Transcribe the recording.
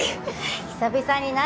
久々に何？